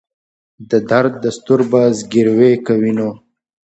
د درد دستور به زګیروی کوي نو.